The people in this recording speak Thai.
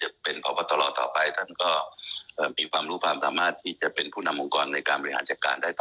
ท่านก็บอกมั่นใจนะคะว่าพลตำแรกต่อศักดิ์จะสามารถเป็นผู้นำองค์กรตำรวจและฝ่าฟันอุปสรรคได้